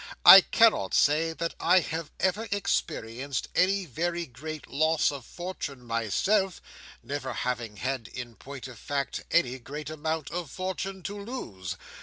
I cannot say that I have ever experienced any very great loss of fortune myself: never having had, in point of fact, any great amount of fortune to lose.